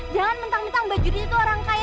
jangan mentang mentang mbak judit itu orang kaya